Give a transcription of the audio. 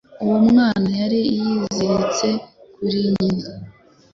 Uwo mwana yari yiziritse kuri nyina